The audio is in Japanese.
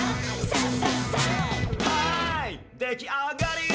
「はいできあがり！」